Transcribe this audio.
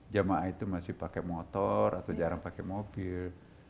jamaah itu masih pakai motor atau jarang pakai mobil